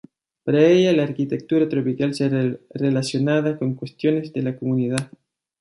Para ella la arquitectura tropical se relacionada con cuestiones de la comunidad.